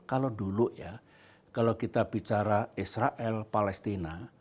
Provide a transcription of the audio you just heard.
kalau dulu ya kalau kita bicara israel palestina